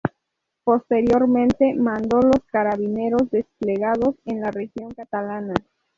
Posteriormente, mandó los carabineros desplegados en la región catalana.